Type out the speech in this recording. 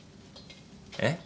えっ？